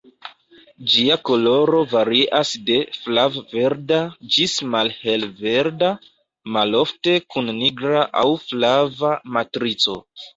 Ĝia koloro varias de flav-verda ĝis malhel-verda, malofte kun nigra aŭ flava matrico.